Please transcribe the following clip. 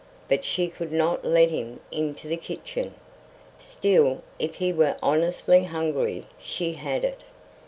But she could not let him into the kitchen. Still, if he were honestly hungry She had it!